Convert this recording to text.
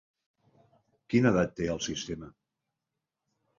Quina edat té el sistema?